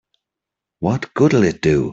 What good'll it do?